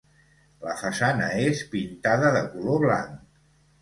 La façana és pintada de color blanc.